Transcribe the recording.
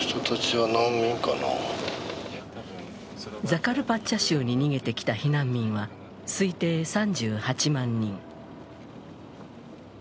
ザカルパッチャ州に逃げてきた避難民は推定３８万人。